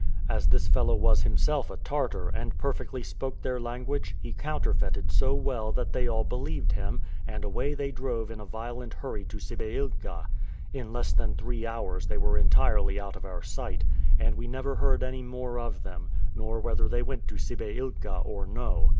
As this fellow was himself a Tartar, and perfectly spoke their language, he counterfeited so well that they all believed him, and away they drove in a violent hurry to Sibeilka. In less than three hours they were entirely out of our sight, and we never heard any more of them, nor whether they went to Sibeilka or no.